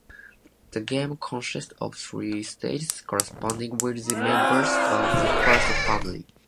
The game consists of three stages corresponding with the members of the First Family.